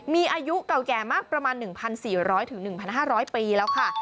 มีอายุเก่าแก่มากประมาณ๑๔๐๐๑๕๐๐ปีแล้วค่ะ